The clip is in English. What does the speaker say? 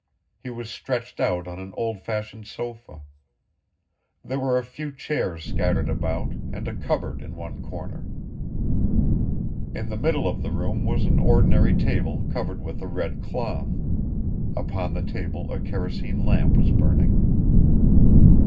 He was stretched on an old fashioned sofa. There were a few chairs scattered about, and a cupboard in one corner. In the middle of the room was an ordinary table covered with a red cloth. Upon the table a kerosene lamp was burning.